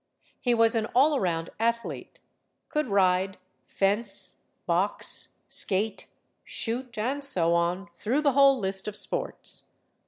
He was an all round athlete could ride, fence, box, skate, shoot, and so on, through the whole list of sports.